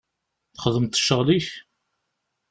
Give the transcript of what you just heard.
Txedmeḍ ccɣel-ik?